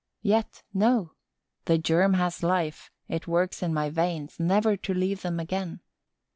Yet no, the germ has life; it works in my veins, never to leave them again.